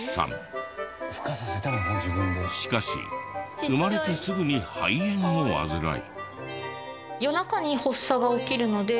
しかし生まれてすぐに肺炎を患い。